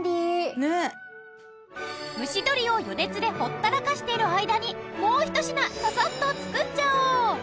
蒸し鶏を余熱でほったらかしてる間にもうひと品ササッと作っちゃおう！